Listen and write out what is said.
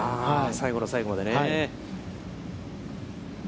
最後の最後までね。